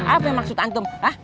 apa maksud antum